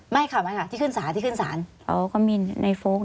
ไม่ครับไหมค่ะที่ขึ้นสารที่ขึ้นสารอ๋อก็มีในโฟค